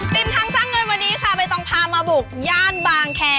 ติมทางสร้างเงินวันนี้ค่ะใบตองพามาบุกย่านบางแคร์